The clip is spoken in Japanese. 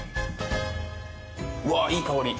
うわいい香り！